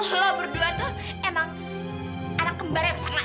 lo berdua tuh emang anak kembar yang sama ya